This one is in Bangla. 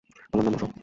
আমার নাম অশোক।